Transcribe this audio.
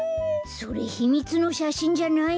それひみつのしゃしんじゃないの？